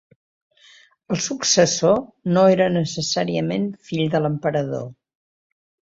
El successor no era necessàriament fill de l'emperador.